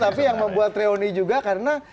tapi yang membuat reuni juga karena